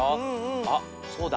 あっそうだ。